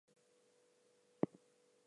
I was waiting for it to come up naturally.